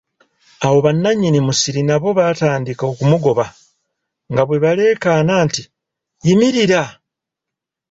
Awo bananyini musiri nabo baatandika okumugoba, nga bwe baleekaana nti, yimirira!